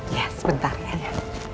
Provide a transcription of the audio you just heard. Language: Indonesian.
ya sebentar ya